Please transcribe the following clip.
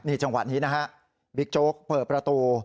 ในจังหวัดนี้บิ๊กโจ๊กเปิดประตู